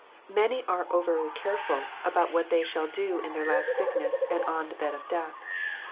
Many are over careful about what they shall do in their last sickness, and on the bed of death.